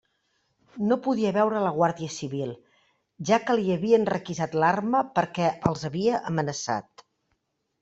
No podia veure la guàrdia civil, ja que li havien requisat l'arma perquè els havia amenaçat.